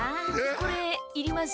これいります？